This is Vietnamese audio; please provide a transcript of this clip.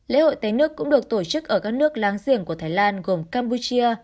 lễ hội tây nước cũng được tổ chức ở các nước láng giềng của thái lan gồm campuchia